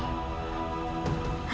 astaghfirullahaladzim ya allah